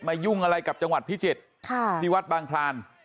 ยุ่งอะไรกับจังหวัดพิจิตรที่วัดบางคลาน